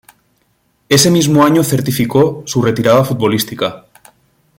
Ese mismo año certificó su retirada futbolística.